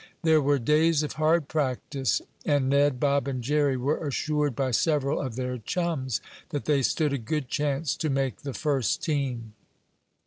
There were days of hard practice, and Ned, Bob and Jerry were assured by several of their chums that they stood a good chance to make the first team.